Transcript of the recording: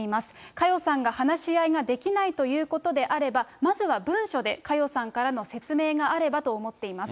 佳代さんが話し合いができないということであれば、まずは文書で佳代さんからの説明があればと思っています。